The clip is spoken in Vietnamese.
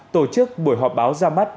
tổ chức buổi họp báo ra mắt